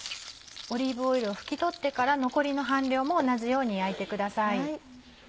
オリーブオイルを拭き取ってから残りの半量も同じように焼いてください。